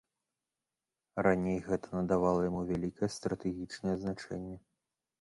Раней гэта надавала яму вялікае стратэгічнае значэнне.